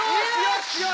よし！